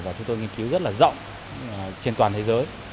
và chúng tôi nghiên cứu rất là rộng trên toàn thế giới